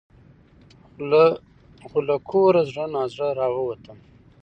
خو له کوره زړه نا زړه راوتم .